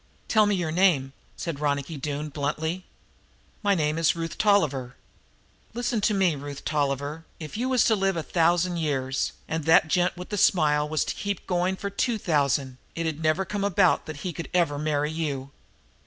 "Tell me your name," said Ronicky Doone bluntly. "My name is Ruth Tolliver." "Listen to me, Ruth Tolliver: If you was to live a thousand years, and the gent with the smile was to keep going for two thousand, it'd never come about that he could ever marry you."